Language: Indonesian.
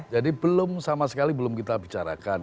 jadi belum sama sekali belum kita bicarakan